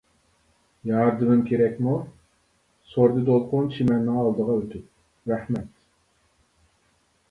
-ياردىمىم كېرەكمۇ؟ سورىدى دولقۇن چىمەننىڭ ئالدىغا ئۆتۈپ-رەھمەت.